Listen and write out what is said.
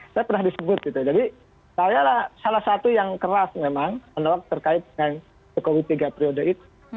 saya pernah disebut gitu jadi saya salah satu yang keras memang menolak terkait dengan jokowi tiga periode itu